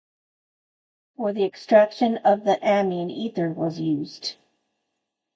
For the extraction of the amine ether was used.